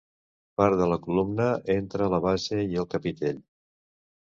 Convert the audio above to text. Part de la columna entre la base i el capitell.